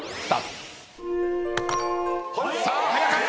さあ早かった。